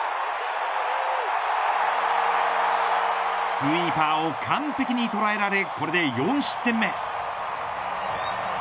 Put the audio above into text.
スイーパーを完璧に捉えられこれで４失点目。